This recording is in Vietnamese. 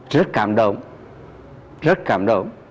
rất cảm động rất cảm động